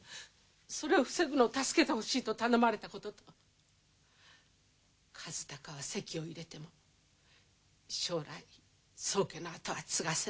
それを防ぐのを助けてほしいと頼まれたことと和鷹は籍を入れても将来宗家の跡は継がせない。